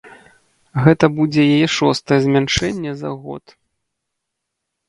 Гэта будзе яе шостае змяншэнне за год.